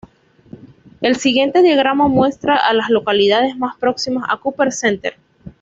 El siguiente diagrama muestra a las localidades más próximas a Copper Center.